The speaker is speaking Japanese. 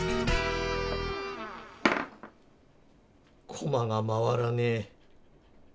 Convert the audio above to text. コマが回らねえ。